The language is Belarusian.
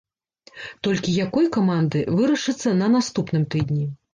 Толькі якой каманды, вырашыцца на наступным тыдні.